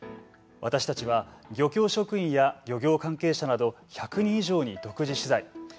私たちは漁協職員や漁業関係者など１００人以上に独自取材。